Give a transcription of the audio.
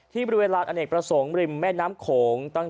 ที่บริเวณลานอเนกประสงค์ริมแม่น้ำโขง